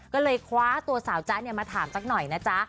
ก็เลยคว้าตัวสาวจ๊ะมาถามสักหน่อยนะจ๊ะ